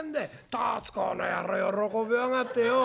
たつ公の野郎喜びやがってよ。